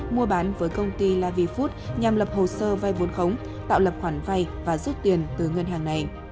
mua bán với công ty la vy food nhằm lập hồ sơ vay vốn khống tạo lập khoản vay và rút tiền từ ngân hàng này